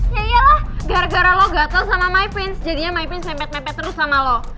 ya iyalah gara gara lo gatel sama my fins jadinya my pin sempet mepet terus sama lo